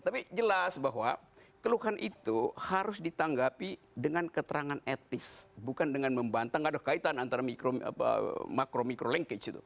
tapi jelas bahwa keluhan itu harus ditanggapi dengan keterangan etis bukan dengan membantah nggak ada kaitan antara makro mikro lenkage itu